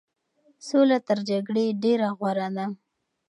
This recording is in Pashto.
سوله تر جګړې ډېره غوره ده.